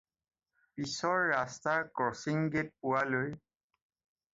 পিছৰ ৰাস্তাৰ ক্ৰছিঙ গেট পোৱালৈ।